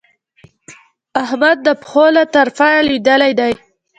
احمد د پښو له ترپه لوېدلی دی.